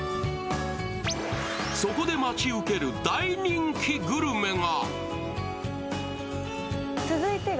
そこで待ち受ける大人気グルメが。